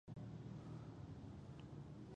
بله دا چې موږ ته د دې موقعې په لاس راځي.